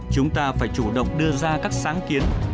chúng ta phải chủ động đưa ra các sáng kiến